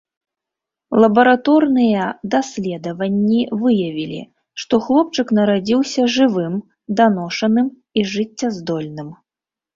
Лабараторныя даследаванні выявілі, што хлопчык нарадзіўся жывым, даношаным і жыццяздольным.